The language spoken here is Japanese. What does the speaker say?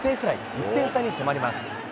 １点差に迫ります。